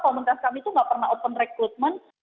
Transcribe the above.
komunitas kami tuh gak pernah open recruitment